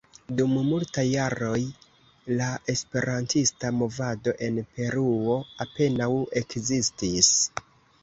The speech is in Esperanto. Dum multaj jaroj la esperantista movado en Peruo apenaŭ ekzistis.